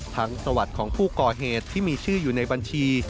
ทั้งตลอดของผู้กอเหตุที่มีชื่ออยู่ในบัญชี